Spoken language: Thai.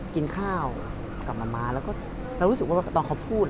กินข้าวกับมันมาแล้วก็เรารู้สึกว่าตอนเขาพูด